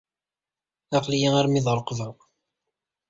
Aql-iyi armi d rreqba.